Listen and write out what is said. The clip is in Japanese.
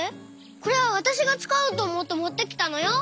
これはわたしがつかおうとおもってもってきたのよ！